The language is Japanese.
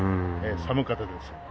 寒かったです。